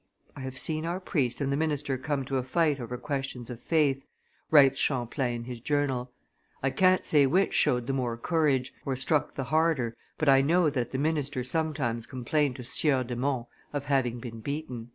"I have seen our priest and the minister come to a fight over questions of faith," writes Champlain in his journal; "I can't say which showed the more courage, or struck the harder, but I know that the minister sometimes complained to Sieur de Monts of having been beaten."